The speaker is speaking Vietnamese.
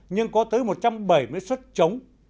nhưng có tới một trăm bảy mươi xuất chống